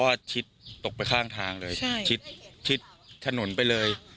เพราะว่าชิดตกไปข้างทางเลยชิดถนนไปเลย